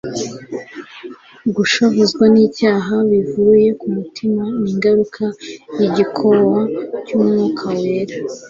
Gushavuzwa n'icyaha ¬bivuye ku mutima ni ingaruka y'igikowa cy'Umwuka wera,